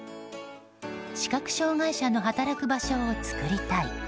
視覚障害者の働く場所を作りたい。